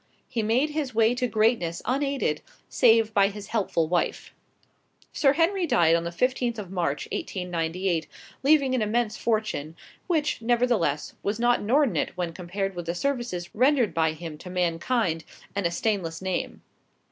He made his way to greatness unaided, save by his helpful wife. Sir Henry died on the fifteenth of March, 1898, leaving an immense fortune, which, nevertheless, was not inordinate when compared with the services rendered by him to mankind; and a stainless name.